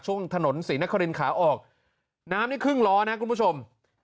ช่วงถนนศรีนครินขาออกน้ำนี่ครึ่งล้อนะคุณผู้ชม